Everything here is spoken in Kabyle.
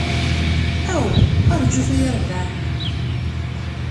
Aw, rjut ay urbaɛ!